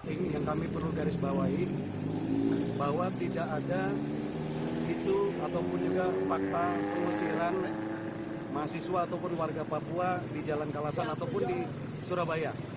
ini yang kami perlu garis bawain bahwa tidak ada isu ataupun juga fakta pengusiran mahasiswa ataupun warga papua di jalan kalasan ataupun di surabaya